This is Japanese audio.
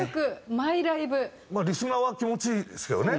まあリスナーは気持ちいいですけどね。